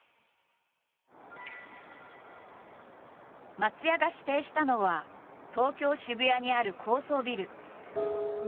松也が指定したのは東京渋谷にある高層ビル。